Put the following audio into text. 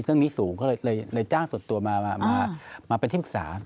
ซึ่งนี้สูงก็เลยจ้างส่วนตัวมาเป็นที่ปรึกษา